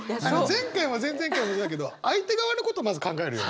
前回も前々回もだけど相手側のことまず考えるよね。